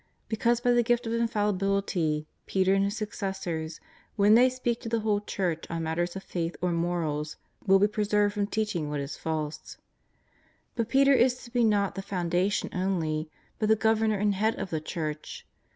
Because by the gift of infalli 258 JESUS OF NAZARETH. bility, Peter and his successors, when they speak to the whole Church on matters of faith or morals, will be pre served from teaching what is false. But Peter is to be not the foundation only, but the Governor and Head of the Church.